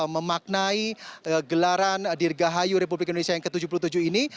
memaknai gelaran dirgahayu republik indonesia yang ke tujuh puluh tujuh ini